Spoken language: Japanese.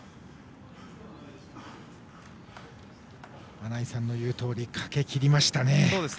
穴井さんの言うとおりかけきりましたね。